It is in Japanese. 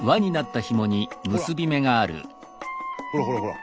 ほらほらほらほら。